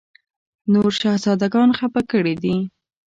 نور شهزاده ګان خپه کړي دي.